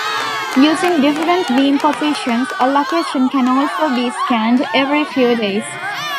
Using different beam positions, a location can also be scanned every few days.